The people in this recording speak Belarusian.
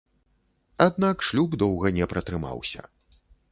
Аднак шлюб доўга не пратрымаўся.